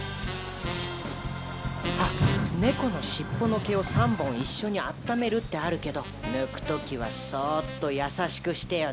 あっ「ネコの尻尾の毛を３本一緒にあっためる」ってあるけど抜く時はそっと優しくしてよね。